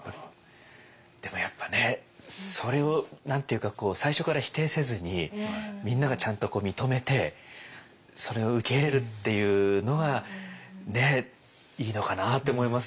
でもやっぱねそれを何て言うか最初から否定せずにみんながちゃんと認めてそれを受け入れるっていうのがねいいのかなと思います。